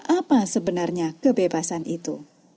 apa sebenarnya kebebasan itu